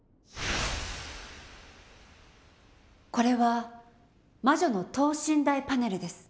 これは魔女の等身大パネルです。